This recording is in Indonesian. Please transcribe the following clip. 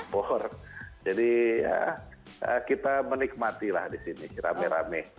pohor jadi ya kita menikmati lah di sini rame rame